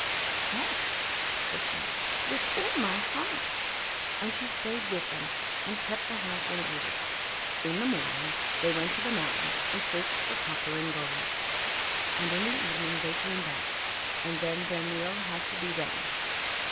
'Yes,' said Snowdrop, 'with all my heart'; and she stayed with them and kept the house in order. In the morning they went to the mountain and searched for copper and gold, and in the evening they came back and then their meal had to be ready.